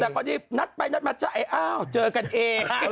แต่พอดีนัดไปนัดมาจ๊ะไอ้อ้าวเจอกันเอง